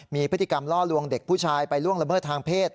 มีพฤติกรรมล่อลวงเด็กผู้ชายไปล่วงละเมิดทางเพศ